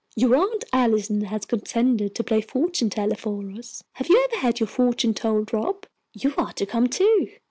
"Your Aunt Allison has consented to play fortune teller for us. Have you ever had your fortune told, Rob? You are to come, too."